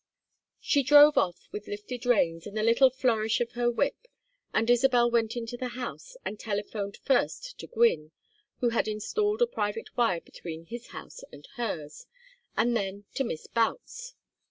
She drove off with lifted reins and a little flourish of her whip, and Isabel went into the house and telephoned first to Gwynne, who had installed a private wire between his house and hers, and then to Miss Boutts.